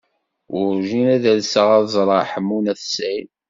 Werǧin ad alseɣ ad ẓreɣ Ḥemmu n At Sɛid.